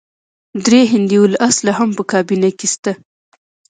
درې هندي الاصله هم په کابینه کې شته.